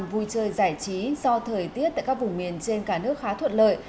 vui chơi giải trí do thời tiết tại các vùng miền trên cả nước khá thuận lợi